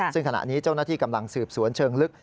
ซึ่งขณะนี้เจ้าหน้าที่กำลังสืบสวนเชิงลึก